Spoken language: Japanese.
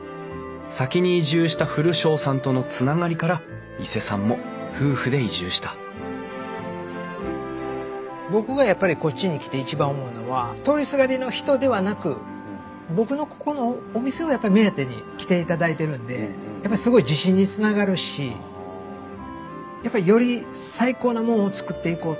先に移住した古荘さんとのつながりから伊勢さんも夫婦で移住した僕がやっぱりこっちに来て一番思うのは通りすがりの人ではなく僕のここのお店をやっぱり目当てに来ていただいてるんでやっぱりすごい自信につながるしやっぱりより最高なものを作っていこうと。